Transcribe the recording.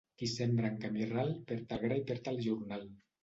Qui sembra en camí ral, perd el gra i perd el jornal.